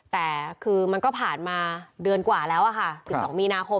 แต่คือมันก็ผ่านมาเดือนกว่าแล้วค่ะ๑๒มีนาคม